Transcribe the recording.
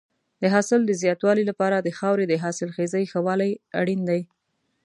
د حاصل د زیاتوالي لپاره د خاورې د حاصلخېزۍ ښه والی اړین دی.